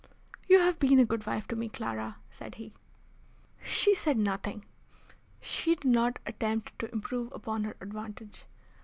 "You, have been a good wife to me, Clara," said he. She said nothing. She did not attempt to improve upon her advantage.